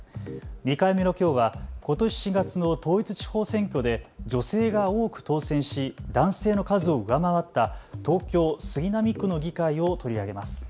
２回目のきょうはことし４月の統一地方選挙で女性が多く当選し男性の数を上回った東京杉並区の議会を取り上げます。